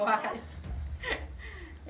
kotor terus agak berminyak ya